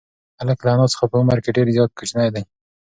هلک له انا څخه په عمر کې ډېر زیات کوچنی دی.